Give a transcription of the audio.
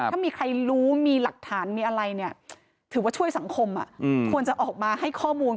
ถ้ามีใครรู้มีหลักฐานมีอะไรเนี่ยถือว่าช่วยสังคมควรจะออกมาให้ข้อมูล